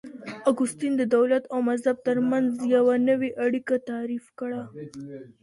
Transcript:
اګوستين د دولت او مذهب ترمنځ يوه نوې اړيکه تعريف کړه.